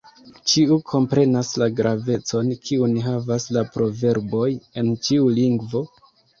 Ĉiu komprenas la gravecon, kiun havas la proverboj en ĉiu lingvo.